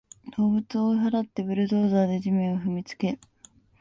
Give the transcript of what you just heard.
動物を追い払って、ブルドーザーで地面を踏みつけ